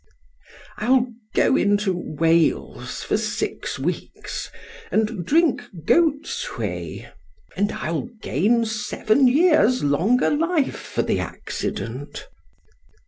——I'll go into Wales for six weeks, and drink goat's whey—and I'll gain seven years longer life for the accident.